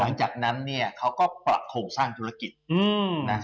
เพราะฉะนั้นเขาก็ปรับโครงสร้างธุรกิจ